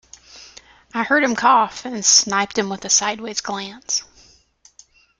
I heard him cough, and sniped him with a sideways glance.